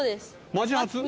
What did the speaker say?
マジ初？